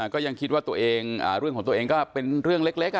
ก็ยังคิดว่าตัวเองเรื่องของตัวเองก็เป็นเรื่องเล็ก